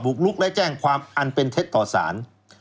กลุกและแจ้งความอันเป็นเท็จต่อสาร